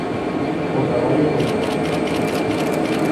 O traballo cotián.